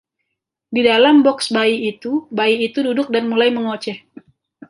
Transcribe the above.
Di dalam boks bayi itu, bayi itu duduk dan mulai mengoceh.